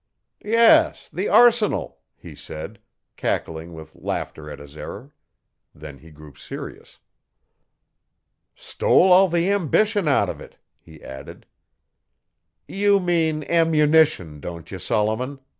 'Yes, the arsenal,' he said, cackling with laughter at his error. Then he grew serious. 'Stole all the ambition out of it,' he added. 'You mean ammunition, don't you, Solomon?'